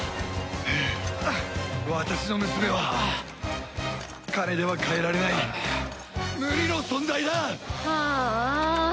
私の娘は金では代えられない無二の存在だ！はああ。